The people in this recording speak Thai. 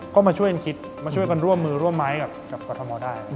ก็มาช่วยกันคิดมาช่วยกันร่วมมือร่วมไม้กับกรทมได้